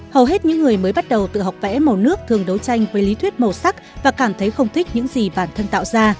hầu hết những người mới bắt đầu tự học vẽ màu nước thường đấu tranh với lý thuyết màu sắc và cảm thấy không thích những gì bản thân tạo ra